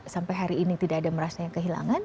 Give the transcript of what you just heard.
sampai hari ini tidak ada merasanya kehilangan